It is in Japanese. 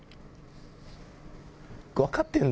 分かってんだ？